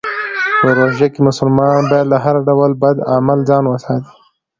په روژه کې مسلمانان باید له هر ډول بد عمل ځان وساتي.